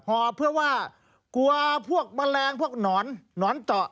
หอบเพื่อว่ากลัวพวกแมลงพวกหนอนหนอนเจาะ